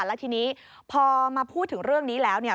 แล้วทีนี้พอมาพูดถึงเรื่องนี้แล้วเนี่ย